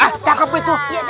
ah cakep itu